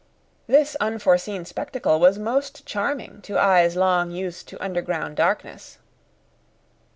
This unforeseen spectacle was most charming to eyes long used to underground darkness.